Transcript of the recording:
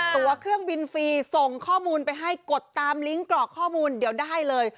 ตัวเครื่องบินฟรีส่งข้อมูลไปให้กดตามลิงก์กรอกข้อมูลเดี๋ยวได้เลย